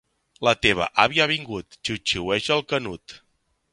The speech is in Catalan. La teva àvia ha vingut, xiuxiueja el Canut.